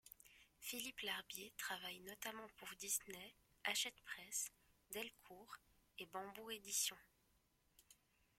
Philippe Larbier travaille notamment pour Disney Hachette Presse, Delcourt et Bamboo Édition.